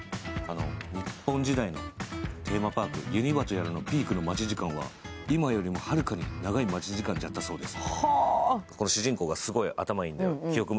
日本時代のテーマパーク、ユニバとやらのピークの待ち時間は今よりもはるかに長い待ち時間じゃったそうです。